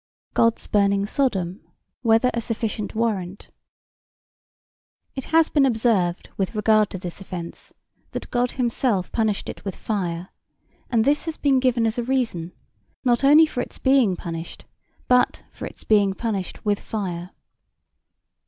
God's burning Sodom whether a sufficient warrant? It has been observed with regard to this offence that God himself punished it with fire; and this has been given as a reason, not only for its being punished but for its being punished with fire.